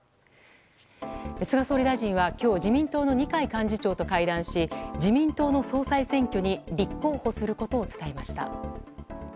菅総理大臣は今日自民党の二階幹事長と会談し自民党の総裁選挙に立候補することを伝えました。